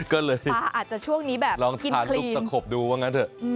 ก็เลยลองทานลูกตาโขบดูว่างั้นเถอะ